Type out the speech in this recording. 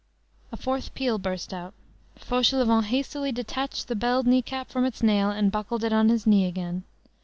A fourth peal burst out. Fauchelevent hastily detached the belled knee cap from its nail and buckled it on his knee again.